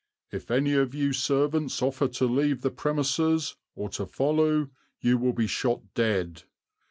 If any of you servants offer to leave the premises or to folloo you will be shot dead.